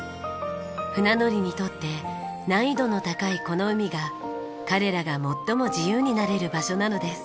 船乗りにとって難易度の高いこの海が彼らが最も自由になれる場所なのです。